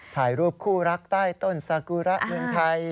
ถ่ายรูปคู่รักใต้ต้นสากุระเมืองไทย